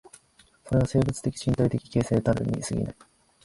それは生物的身体的形成たるに過ぎない。